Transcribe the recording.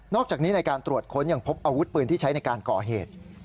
อกจากนี้ในการตรวจค้นยังพบอาวุธปืนที่ใช้ในการก่อเหตุ